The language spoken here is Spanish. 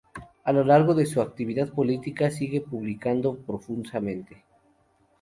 A lo largo de su actividad política sigue publicando profusamente.